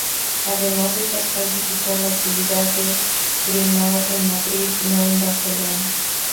Además, estas fuentes sitúan la actividad de Grimau en Madrid, no en Barcelona.